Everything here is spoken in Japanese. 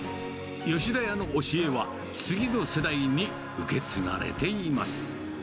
吉田家の教えは、次の世代に受け継がれています。